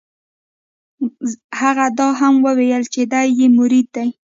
هغه دا هم وویل چې دی یې مرید دی.